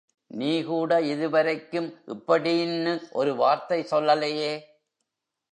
நீ கூட இதுவரைக்கும் இப்படீன்னு ஒரு வார்த்தை, சொல்லலையே.